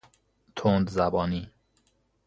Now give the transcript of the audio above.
تندزبانی